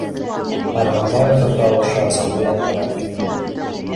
— Арғынбаевтың тауышы асыулы яңғырап китте